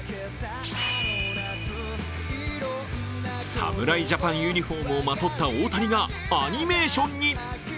侍ジャパンユニフォームをまとった大谷が、アニメーションに。